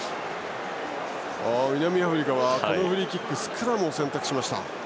南アフリカはこのフリーキックスクラムを選択しました。